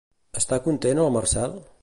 Està content el Marcel?